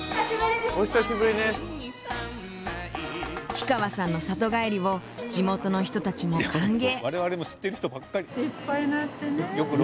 氷川さんの里帰りを地元の人たちも歓迎！